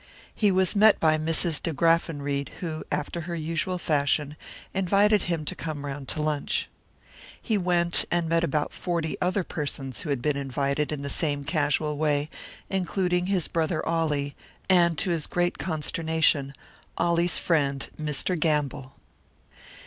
He was met by Mrs. De Graffenried, who, after her usual fashion, invited him to come round to lunch. He went, and met about forty other persons who had been invited in the same casual way, including his brother Ollie and to his great consternation, Ollie's friend, Mr. Gamble!